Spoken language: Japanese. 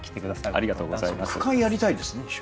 やりたいですね。